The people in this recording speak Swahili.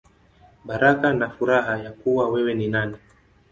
Baraka na Furaha Ya Kuwa Wewe Ni Nani.